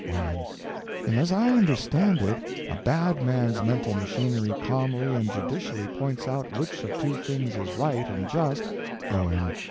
Y.M. Then as I understand it a bad man's mental machinery calmly and judicially points out which of two things is right and just— O.M.